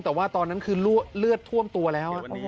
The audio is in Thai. แต่ว่าตอนนั้นคือเลือดท่วมตัวแล้ว